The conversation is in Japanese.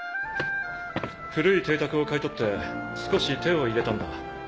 古い邸宅を買い取って少し手を入れたんだ。